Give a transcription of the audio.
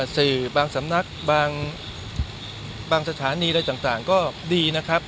สื่อบางสำนักบางสถานีอะไรต่างก็ดีนะครับ